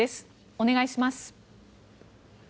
お願いします。